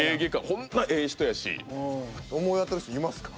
ほんまええ人やし。思い当たる人いますか？